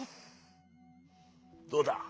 どうだ？